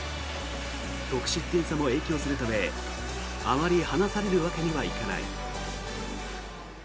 得失点差も影響するためあまり離されるわけにはいかない。